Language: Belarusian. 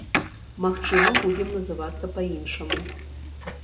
Магчыма, будзем называцца па-іншаму.